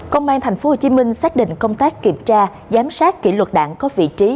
công an tp hcm xác định công tác kiểm tra giám sát kỷ luật đảng có vị trí